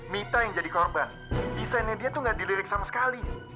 mita yang jadi korban desainnya dia tuh gak dilirik sama sekali